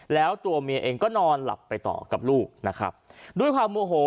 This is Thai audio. แล้วตัวเมียเองก็นอนหลับไปต่อด้วยด้วยความมั่วโหว